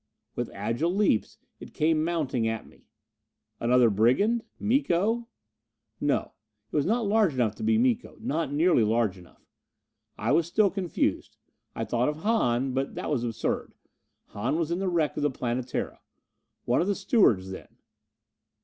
With agile leaps, it came mounting at me! Another brigand! Miko? No, it was not large enough to be Miko, not nearly large enough. I was still confused. I thought of Hahn. But that was absurd. Hahn was in the wreck of the Planetara. One of the stewards then....